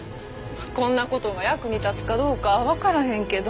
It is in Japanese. こんな事が役に立つかどうかわからへんけど。